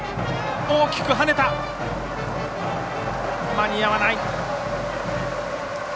間に合わない。